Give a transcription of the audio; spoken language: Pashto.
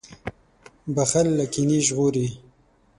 • بښل له کینې ژغوري.